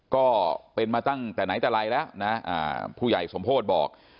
ก็เป็นมาตั้งแต่ไหนแต่ไรแล้วนะผู้ใหญ่สมโพธิบอก